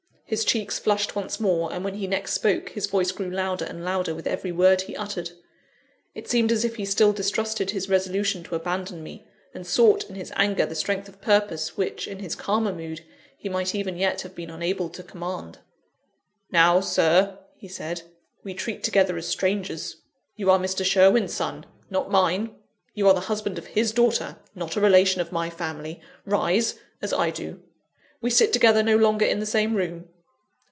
His cheeks flushed once more; and when he next spoke, his voice grew louder and louder with every word he uttered. It seemed as if he still distrusted his resolution to abandon me; and sought, in his anger, the strength of purpose which, in his calmer mood, he might even yet have been unable to command. "Now, Sir," he said, "we treat together as strangers. You are Mr. Sherwin's son not mine. You are the husband of his daughter not a relation of my family. Rise, as I do: we sit together no longer in the same room.